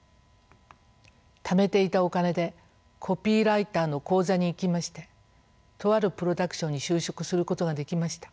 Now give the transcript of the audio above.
ためていたお金でコピーライターの講座に行きましてとあるプロダクションに就職することができました。